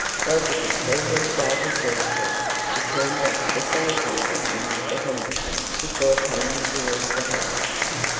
Roger could see her startled gesture; she turned back to say something to Mr. Henderson before coming towards the house.